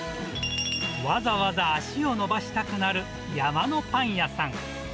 わざわざ足を伸ばしたくなる山のパン屋さん。